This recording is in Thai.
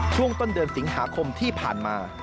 ช่วงต้นเดือนสิงหาคมที่ผ่านมา